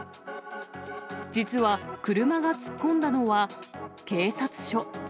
実は車が突っ込んだのは、警察署。